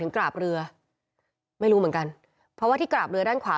กราบเรือไม่รู้เหมือนกันเพราะว่าที่กราบเรือด้านขวา